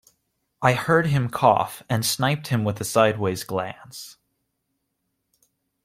I heard him cough, and sniped him with a sideways glance.